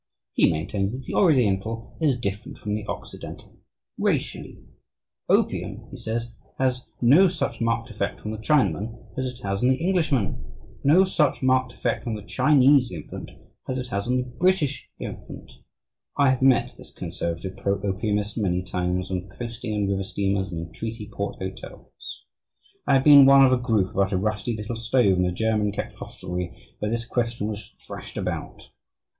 He maintains that the Oriental is different from the Occidental racially. Opium, he says, has no such marked effect on the Chinaman as it has on the Englishman, no such marked effect on the Chinese infant as it has on the British infant. I have met this "conservative" pro opiumist many times on coasting and river steamers and in treaty port hotels. I have been one of a group about a rusty little stove in a German kept hostelry where this question was thrashed out.